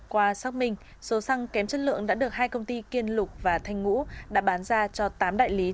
qua xác minh số xăng kém chất lượng đã được hai công ty kiên lục và thanh ngũ đã bán ra cho tám đại lý